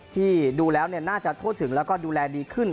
ที่ดูแล้วน่าจะทั่วถึงแล้วก็ดูแลดีขึ้น